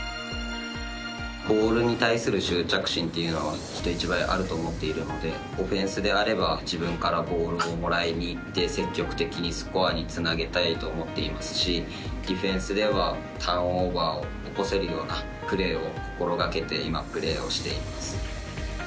ボールに対する執着心というのは人一倍、あると思っているのでオフェンスであれば自分からボールをもらいにいって積極的にスコアにつなげたいと思っていますしディフェンスではターンオーバーを起こせるようなプレーを心がけて今、プレーをしています。